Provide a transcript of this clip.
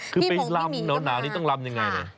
คือไปลำหนาวนี่ต้องลำยังไงเลย